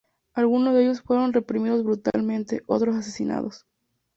Algunos de ellos fueron reprimidos brutalmente, otros asesinados.